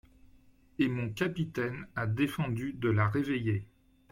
Et mon capitaine a défendu de la réveiller.